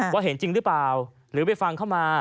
เห็นจริงหรือเปล่าหรือไปฟังเข้ามา